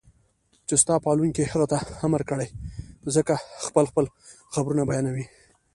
چې ستا پالونکي هغې ته امر کړی زکه خپل خپل خبرونه بيانوي